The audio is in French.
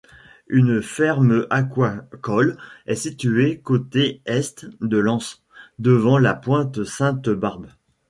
Une ferme aquacole est située côté est de l'anse, devant la pointe Sainte-Barbe.